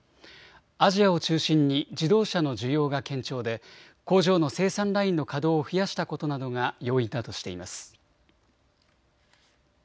アジアを中心に自動車の需要が堅調で工場の生産ラインの稼働を増やしたことなどが要因だとしています。